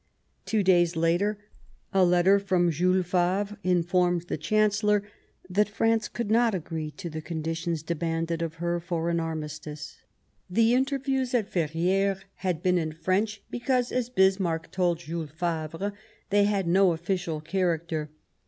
Two days later, a letter from Jules Favrc in formed the Chancellor that France could not agree to the conditions demanded of her for an armistice. The interviews at Ferrieres had been in French, because, as Bismarck told Jules Favre, they had no official character.